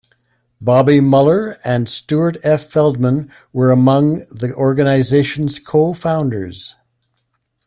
Bobby Muller and Stuart F. Feldman were among the organization's co-founders.